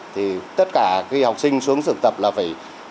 thì tất cả học sinh xuống trường tập là phải